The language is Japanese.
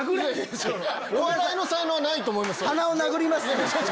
お笑いの才能はないと思います。